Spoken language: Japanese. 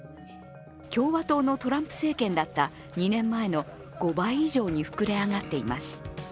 共和党のトランプ政権だった２年前の５倍以上に膨れ上がっています。